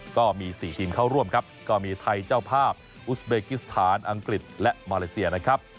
ก็มี๔ทีมเข้าร่วมครับก็มีไทยเจ้าภาพอุสเบกิสถานอังกฤษและมาเลเซียนะครับ